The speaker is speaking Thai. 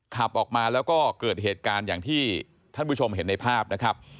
ขับออกมาแล้วก็เกิดเหตุการณ์อย่างที่ท่านผู้ชมเห็นในภาพนะครับ